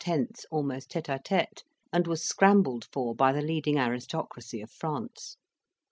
almost tete a tete, and was scrambled for by the leading aristocracy of France.